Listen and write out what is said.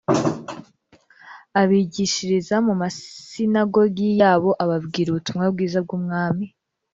abigishiriza mu masinagogi yabo ababwira ubutumwa bwiza bw’ubwami